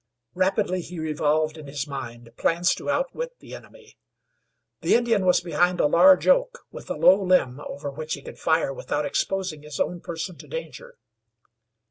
Rapidly he revolved in his mind plans to outwit the enemy. The Indian was behind a large oak with a low limb over which he could fire without exposing his own person to danger.